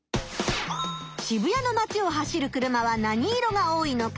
渋谷のまちを走る車は何色が多いのか？